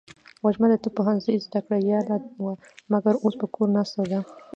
وږمه د طب پوهنځۍ زده کړیاله وه ، مګر اوس په کور ناسته ده.